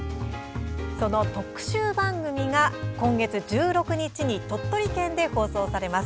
その特集番組が今月１６日に鳥取県で放送されます。